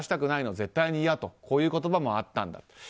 絶対に嫌とこういう言葉もあったんだと。